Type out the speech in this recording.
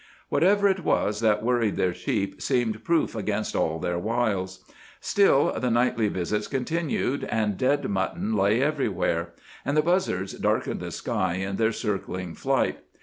Whatever it was that worried their sheep seemed proof against all their wiles. Still the nightly visits continued, and dead mutton lay everywhere, and the buzzards darkened the sky in their circling flight.